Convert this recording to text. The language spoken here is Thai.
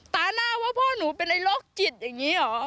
ตาหน้าว่าพ่อหนูเป็นไอโรคจิตอย่างนี้เหรอ